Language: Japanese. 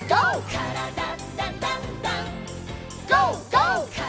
「からだダンダンダン」